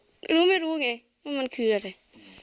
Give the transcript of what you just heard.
รู้หรือไม่รู้ไงว่ามันคืออะไร